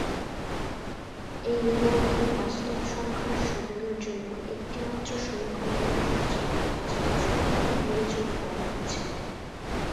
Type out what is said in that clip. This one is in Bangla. এই নিবন্ধে, বাস্তব সংখ্যার সহগের জন্য একটিমাত্র সমীকরণের ক্ষেত্রে, বাস্তব সমাধান বিবেচনা করা হয়েছে।